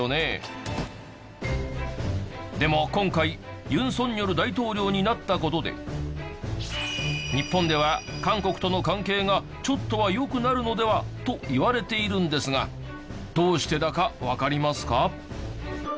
でも今回ユン・ソンニョル大統領になった事で日本では韓国との関係がちょっとは良くなるのでは？といわれているんですがどうしてだかわかりますか？